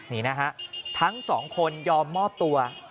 นี่นะฮะทั้งสองคนยอมมอบตัว